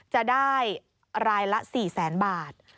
จะได้รายละ๔๐๐๐๐๐บาท